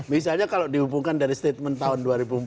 misalnya kalau dihubungkan dari statement tahun dua ribu empat belas